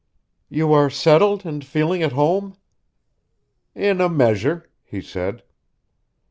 "You are settled and feeling at home?" "In a measure," he said.